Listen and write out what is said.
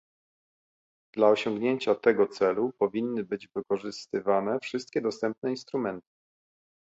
Dla osiągnięcia tego celu powinny być wykorzystywane wszystkie dostępne instrumenty